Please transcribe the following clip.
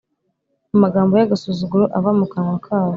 amagambo y agasuzuguro ava mu kanwa kabo.